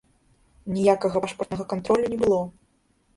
Ніякага пашпартнага кантролю не было.